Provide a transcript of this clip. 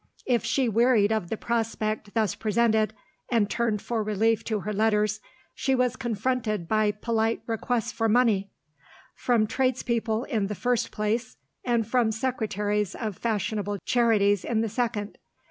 If she wearied of the prospect thus presented, and turned for relief to her letters, she was confronted by polite requests for money; from tradespeople in the first place, and from secretaries of fashionable Charities in the second.